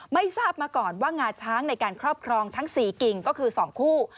ไม่ทราบมาก่อนว่างาช้างในการครอบครองทั้ง๔กิ่งก็คือ๒คู่